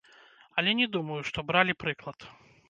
Але не думаю, што бралі прыклад.